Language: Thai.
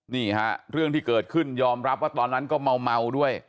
นี่ฮะเรื่องที่เกิดขึ้นยอมรับว่าตอนนั้นก็เมาด้วย